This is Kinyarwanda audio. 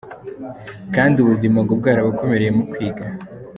Kandi ubuzima ngo bwarabakomereye mu kwiga.